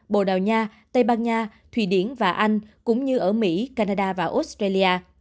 bồ đào nha tây ban nha thụy điển và anh cũng như ở mỹ canada và australia